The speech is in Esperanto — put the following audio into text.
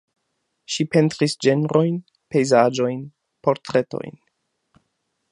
Ŝi pentris ĝenrojn, pejzaĝojn, portretojn.